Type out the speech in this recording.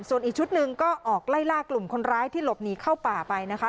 ส่วนอีกชุดหนึ่งก็ออกไล่ล่ากลุ่มคนร้ายที่หลบหนีเข้าป่าไปนะคะ